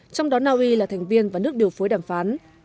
trong đó naui là thành viên và nước điều phối đàm phán